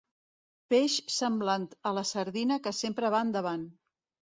Peix semblant a la sardina que sempre va endavant.